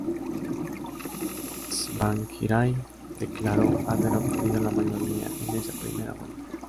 Tsvangirai declaró haber obtenido la mayoría en esa primera vuelta.